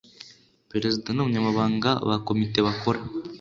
perezida n umunyamabanga ba komite bakora